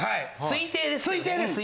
推定です。